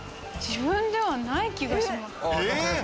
自分ではない気がします。